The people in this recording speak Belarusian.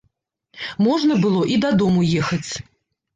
Можна было і дадому ехаць.